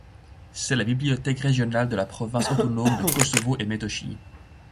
C'est la bibliothèque régionale de la province autonome de Kosovo-et-Métochie.